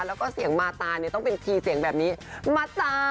แล้วก็เสียงมาตาเนี่ยต้องเป็นคีย์เสียงแบบนี้มาจ้า